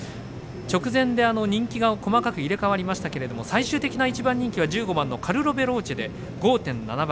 直前で人気が細かく入れ代わりましたけれども最終的な１番人気は１５番カルロヴェローチェで５．７倍。